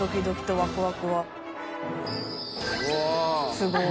すごい。